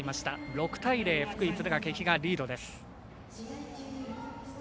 ６対０、福井・敦賀気比がリードです。